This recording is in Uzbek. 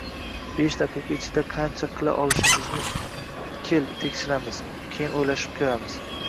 besh daqiqa ichida qancha qila olishingni kel, tekshiramiz, keyin o‘ylashib ko‘ramiz